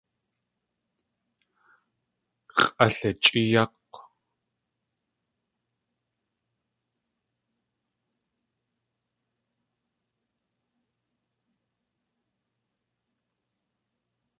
X̲ʼalichʼéeyák̲w.